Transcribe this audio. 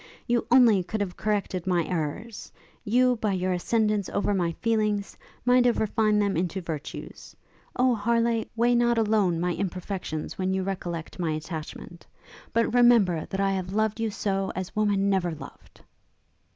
You only could have corrected my errours; you, by your ascendance over my feelings, might have refined them into virtues. Oh, Harleigh! weigh not alone my imperfections when you recollect my attachment! but remember that I have loved you so as woman never loved!'